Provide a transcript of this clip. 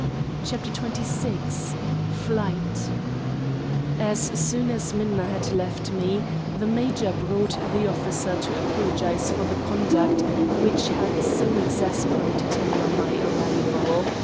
CHAPTER XXVI FLIGHT As soon as Minna had left me the major brought the officer to apologize for the conduct which had so exasperated me on my arrival.